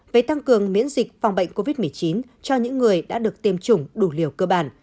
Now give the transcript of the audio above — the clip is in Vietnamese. về tăng cường miễn dịch phòng bệnh covid một mươi chín cho những người đã được tiêm chủng đủ liều cơ bản